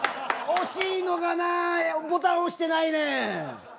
「惜しいのがなぁボタン押してないねん！」。